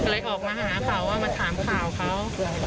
เลยออกมาหาข่าวว่ามาถามข่าวเขา